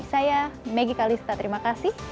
saya maggie kalista terima kasih